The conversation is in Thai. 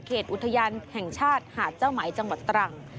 อุทยานแห่งชาติหาดเจ้าไหมจังหวัดตรัง